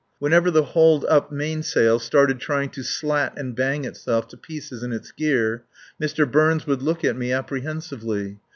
Whenever the hauled up mainsail started trying to slat and bang itself to pieces in its gear, Mr. Burns would look at me apprehensively.